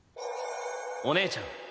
お姉ちゃん